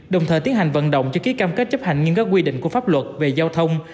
đồng thời tiến hành vận động chưa ký cam kết chấp hành nghiêm các quy định của pháp luật về giao thông